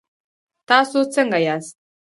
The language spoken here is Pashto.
تاسو څنګ ياست؟